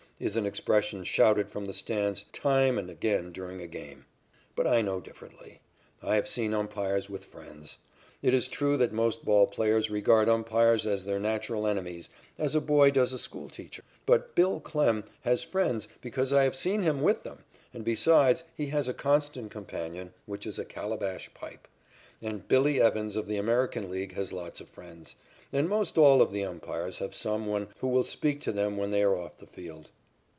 is an expression shouted from the stands time and again during a game. But I know differently. I have seen umpires with friends. It is true that most ball players regard umpires as their natural enemies, as a boy does a school teacher. But "Bill" Klem has friends because I have seen him with them, and besides he has a constant companion, which is a calabash pipe. And "Billy" Evans of the American League has lots of friends. And most all of the umpires have some one who will speak to them when they are off the field.